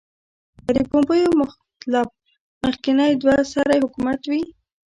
که د پومپیو مطلب مخکنی دوه سری حکومت وي.